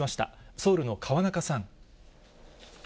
ソウルの河中さん。